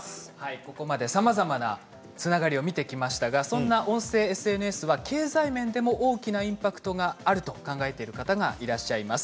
ここまでさまざまなつながりを見ていきましたがそんな音声ＳＮＳは経済面でも大きなインパクトがあると考えている方がいらっしゃいます。